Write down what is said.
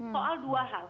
soal dua hal